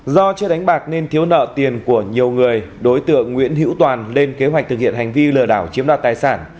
do chưa đánh bạc nên thiếu nợ tiền của nhiều người đối tượng nguyễn hữu toàn lên kế hoạch thực hiện hành vi lừa đảo chiếm đoạt tài sản